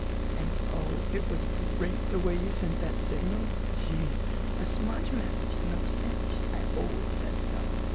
"And, oh it was great the way you sent that signal. Gee, a smudge message is no cinch—I always said so.